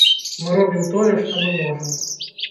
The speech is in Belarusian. Мы робім тое, што мы можам.